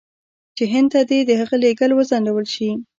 چې هند ته دې د هغه لېږل وځنډول شي.